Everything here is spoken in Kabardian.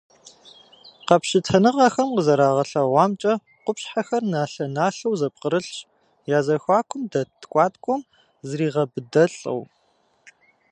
Къэпщытэныгъэхэм къызэрагъэлъэгъуамкӏэ, къупщхьэхэр налъэ-налъэу зэпкърылъщ, я зэхуакум дэт ткӏуаткӏуэм зригъэбыдылӏэу.